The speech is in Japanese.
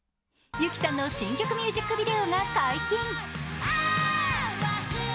ＹＵＫＩさんの新曲ミュージックビデオが解禁。